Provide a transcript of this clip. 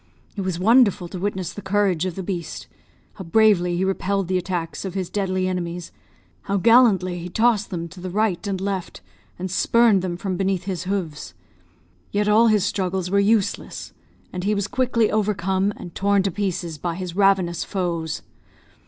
It was wonderful to witness the courage of the beast. How bravely he repelled the attacks of his deadly enemies, how gallantly he tossed them to the right and left, and spurned them from beneath his hoofs; yet all his struggles were useless, and he was quickly overcome and torn to pieces by his ravenous foes.